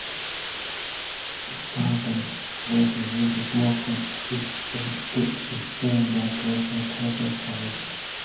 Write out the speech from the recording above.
"Spartan" was making smoke from stem to stern but was not herself covered.